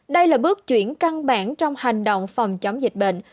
đây là bước chuyển căn bản trong hành động phòng chống dịch bệnh